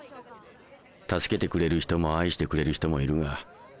助けてくれる人も愛してくれる人もいるが。